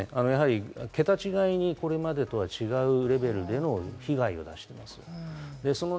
桁違いにこれまでとは違うレベルでの被害です。